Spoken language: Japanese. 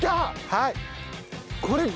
はい。